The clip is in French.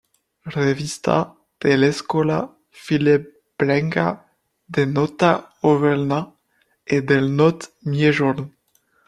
Revista de l'Escola Felibrenca de Nauta Auvernha é del Naut Miejourn.